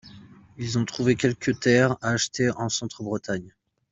Ils ont trouvé quelques terres à acheter en centre Bretagne.